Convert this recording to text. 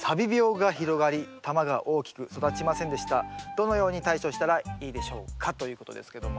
「どのように対処したらいいでしょうか」ということですけども。